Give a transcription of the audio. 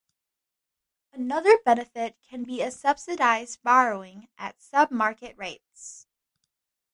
Another benefit can be a subsidized borrowing at sub-market rates.